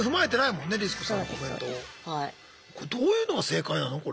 これどういうのが正解なの？